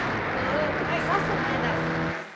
はいさすって出す。